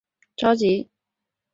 我一点都不着急